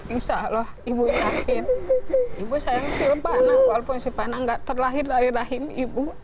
insya allah ibu yakin ibu sayang silvana walaupun silvana nggak terlahir dari rahim ibu